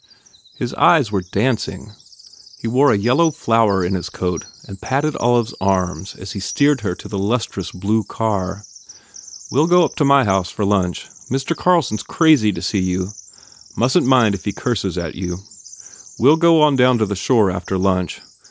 His eyes were dancing. He wore a yellow flower in his coat and patted Olive s arm as he steered her to the lustrous blue car. "We ll go up to my house for lunch. Mr. Carlson s crazy to see you. Mustn t mind if he curses at you. We ll go on down to the shore after lunch.